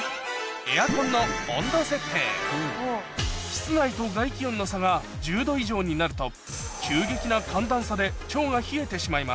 室内と外気温の差が１０℃以上になると急激な寒暖差で腸が冷えてしまいます